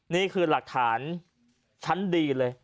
นี่คือหลักฐานชั้นดีเลย